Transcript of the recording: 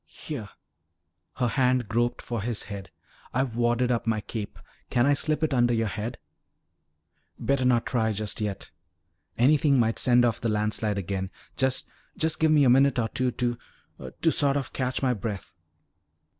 "Here." Her hand groped for his head. "I've wadded up my cape. Can I slip it under your head?" "Better not try just yet. Anything might send off the landslide again. Just just give me a minute or two to to sort of catch my breath."